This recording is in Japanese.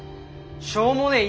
しょうもねえ